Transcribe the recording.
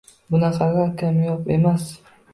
Bunaqalar kamyob emas